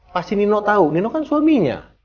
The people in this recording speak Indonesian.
pasti nino tahu nino kan suaminya